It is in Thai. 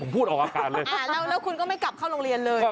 พูดออกอาการเลยแล้วคุณก็ไม่กลับเข้าโรงเรียนเลย